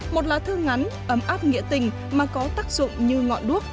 một lá thư ngắn ấm áp nghĩa tình mà có tác dụng như ngọn đuốc